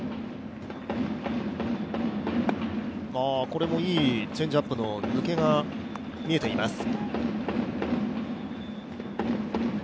これも、いいチェンジアップの抜けが見えています。